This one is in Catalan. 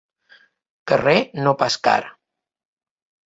Carrer no pas car.